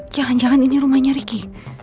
jangan jangan ini rumahnya ricky